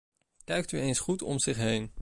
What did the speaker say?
Kijkt u eens goed om zich heen.